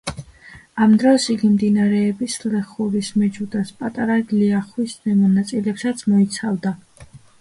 ამ დროს იგი მდინარეების ლეხურის, მეჯუდას, პატარა ლიახვის ზემო ნაწილებსაც მოიცავდა.